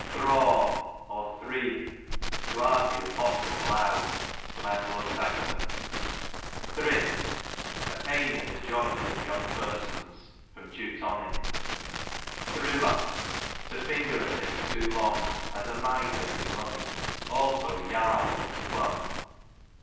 Thraw, ] to argue hot and loud. Threeap, I A. S. Thrift, a pain in the joints of young persons. Teu. Thrimmo, to finger a thing too long, as a miser his money ; also yarn ill spun.